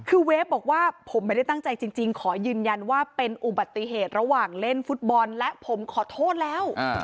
คือเวฟบอกว่าผมไม่ได้ตั้งใจจริงขอยืนยันว่าเป็นอุบัติเหตุระหว่างเล่นฟุตบอลและผมขอโทษแล้ว